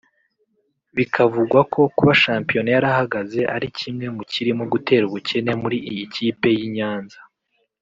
bikavugwa ko kuba shampiyona yarahagaze ari kimwe mu kirimo gutera ubukene muri iyi kipe y’i Nyanza